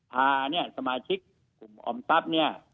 พาสมาชิกกลุ่มออมทัพเนี่ย